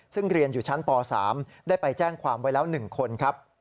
ซึ่งเรียนอยู่ชั้นป๓ได้ไปแจ้งความไว้แล้ว๑คนครับ